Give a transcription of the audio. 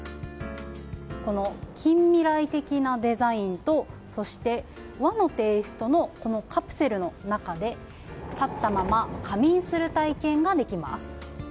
この近未来的なデザインと、そして和のテイストのこのカプセルの中で、立ったまま仮眠する体験ができます。